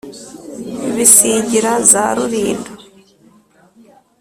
bisingira za rulindo